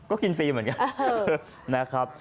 ก็กินฟรีเหมือนกัน